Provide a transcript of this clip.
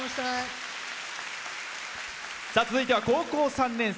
続いては高校３年生。